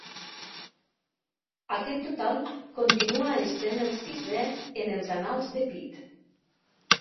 Aquest total continua essent el sisè en els annals de Pitt.